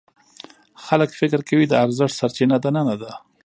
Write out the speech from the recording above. خلک فکر کوي د ارزښت سرچینه دننه ده.